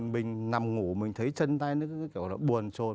mình nằm ngủ mình thấy chân tay nó kiểu là buồn trôi